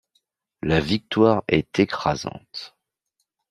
La victoire est écrasante.